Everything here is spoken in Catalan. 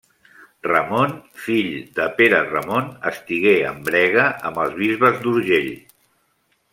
Ramon, fill de Pere Ramon, estigué en brega amb els bisbes d'Urgell.